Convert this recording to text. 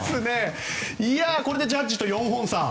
これでジャッジと４本差。